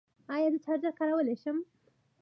ایا زه چارجر کارولی شم؟